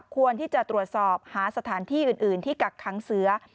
ควรที่จะตรวจสอบหาสถานที่อื่นที่กักค้างเสือ